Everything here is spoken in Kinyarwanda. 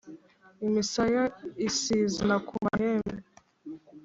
imisaya isizana ku mahembe.